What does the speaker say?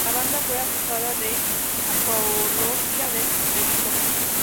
La banda fue acusada de apología del delito.